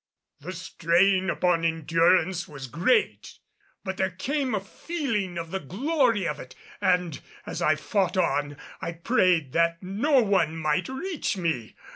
The strain upon endurance was great; but there came a feeling of the glory of it, and as I fought on I prayed that no one might reach me.